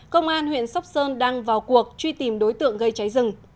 công an huyện sóc sơn đang vào cuộc truy tìm đối tượng gây cháy rừng